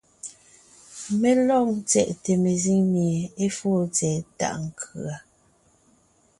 Mé lɔg ńtyɛʼte mezíŋ mie é fóo tsɛ̀ɛ tàʼ nkʉ̀a.